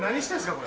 これ。